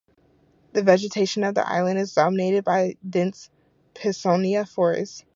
The vegetation of the island is dominated by dense Pisonia forest.